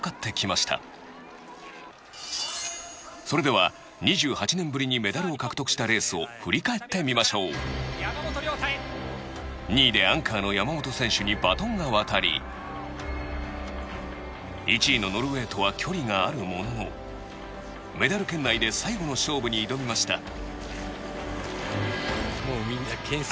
それでは２８年ぶりにメダルを獲得したレースを振り返ってみましょう２位でアンカーの山本選手にバトンが渡り１位のノルウェーとは距離があるもののメダル圏内で最後の勝負に挑みました